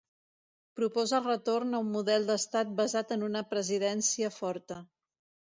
Proposa el retorn a un model d’estat basat en una presidència forta.